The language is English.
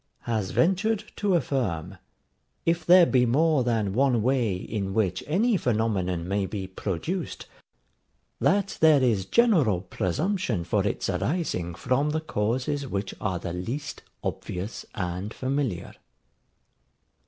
] has ventured to affirm, if there be more than one way in which any phenomenon may be produced, that there is general presumption for its arising from the causes which are the least obvious and familiar.